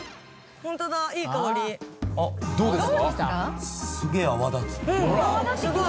どうですか？